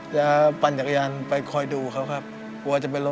อย่างนี้อยู่ประมาณ๒๓วัน